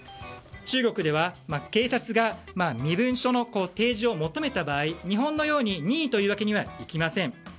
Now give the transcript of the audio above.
中国では警察が身分証の提示を求めた場合日本のように任意というわけにはいきません。